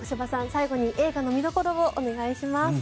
最後に映画の見どころをお願いします。